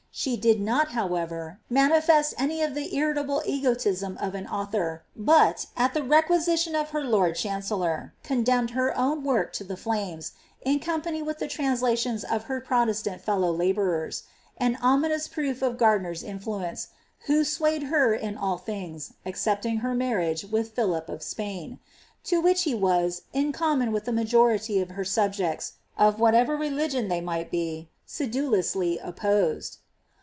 She did not, howe?er, manifest any of the irritable egotism of an author, but, at the requisition of her lord chancellor, condemned her own work to the flames, in company with the translations of her Protestant fellow la bourers— an ominous proof of Gardiner's influence, who swayed her in all things, excepting her marriage with Philip of Spain ; to which ht was, in common with the majority of her subjects, of whatever religion they might be, sedulously opposed.